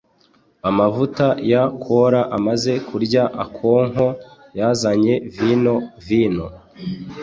amavuta ya kola amaze kurya okonkwo yazanye vino-vino